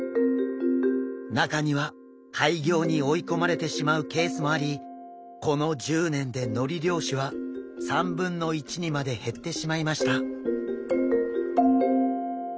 中には廃業に追い込まれてしまうケースもありこの１０年でのり漁師は３分の１にまで減ってしまいました。